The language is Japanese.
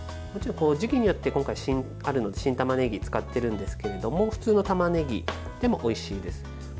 時期によって今回、新たまねぎを使っているんですけれども普通のたまねぎでもおいしいです。